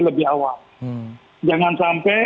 lebih awal jangan sampai